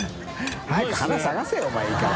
瓩花探せよお前いいから。